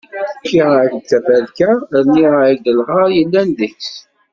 Fkiɣ-ak taferka rniɣ-ak lɣar yellan deg-s.